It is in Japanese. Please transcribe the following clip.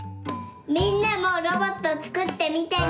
みんなもロボットつくってみてね。